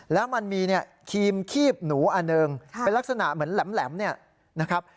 แล้วมันมีครีมคีบหนูอันหนึ่งเป็นลักษณะเหมือนแหลมเนี่ยนะครับ